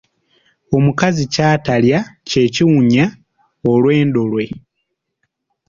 Omukazi kyatalya kye kiwunya olwendo lwe.